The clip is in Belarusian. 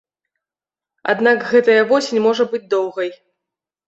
Аднак гэтая восень можа быць доўгай.